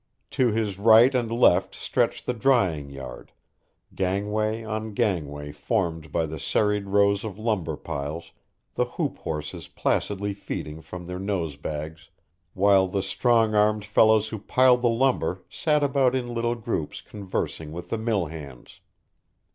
To his right and left stretched the drying yard, gangway on gangway formed by the serried rows of lumber piles, the hoop horses placidly feeding from their nosebags while the strong armed fellows who piled the lumber sat about in little groups conversing with the mill hands.